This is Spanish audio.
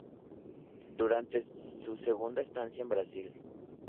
Durante su segunda estancia en Brasil.